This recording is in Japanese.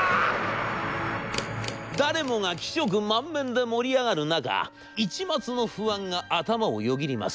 誰もが喜色満面で盛り上がる中一抹の不安が頭をよぎります。